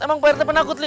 emang pak rt penakut li